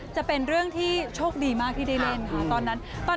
จะเป็นเรื่องที่โชคดีมากที่ได้เล่นค่ะตอนนั้น